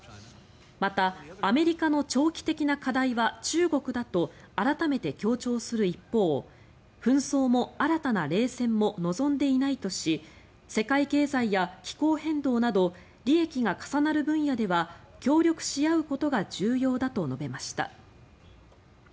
また、アメリカの長期的な課題は中国だと改めて強調する一方紛争も新たな冷戦も望んでいないとし世界経済や気候変動など利益が重なる分野では協力し合うことが重要だと述べました。